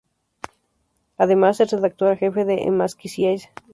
Además, es redactora jefe de smakizycia.pl.